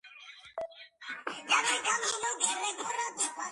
პარლამენტის არჩევნებს ნიშნავს აზერბაიჯანის რესპუბლიკის პრეზიდენტი.